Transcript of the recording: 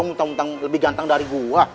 muntah muntah lebih ganteng dari gue